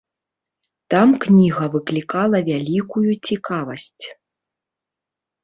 Там кніга выклікала вялікую цікавасць.